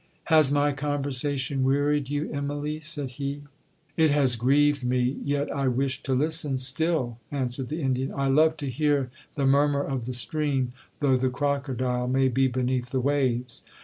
'Has my conversation wearied you, Immalee?' said he.—'It has grieved me, yet I wish to listen still,' answered the Indian. 'I love to hear the murmur of the stream, though the crocodile may be beneath the waves.'